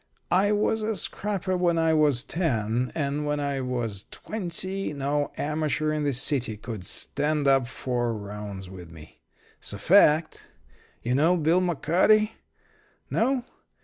I was a scrapper when I was ten, and when I was twenty no amateur in the city could stand up four rounds with me. 'S a fact. You know Bill McCarty? No?